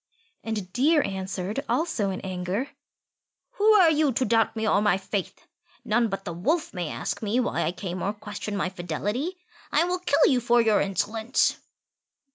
And Deer answered, also in anger, "Who are you to doubt me or my faith? None but the Wolf may ask me why I came or question my fidelity. I will kill you for your insolence."